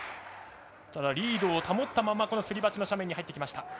リードを保ったまますり鉢の斜面に入ってきました。